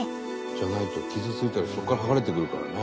じゃないと傷ついたりそこから剥がれてくるからね。